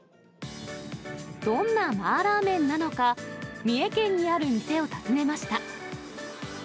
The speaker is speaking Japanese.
どんな麻辣麺なのか、三重県にある店を訪ねました。